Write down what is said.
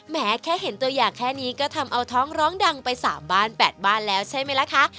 แม้แค่เห็นตัวอย่างแค่นี้ก็ทำเอาท้องร้องดังไป๓บ้าน๘บ้านแล้วใช่ไหมล่ะคะ